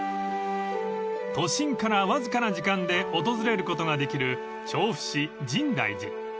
［都心からわずかな時間で訪れることができる調布市深大寺］